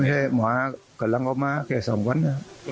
ไม่ใช่หมากำลังมาแค่สามวันนี้